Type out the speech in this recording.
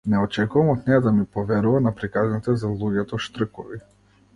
Не очекувам од неа да ми поверува на приказните за луѓето-штркови.